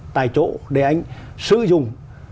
tại chỗ để anh sử dụng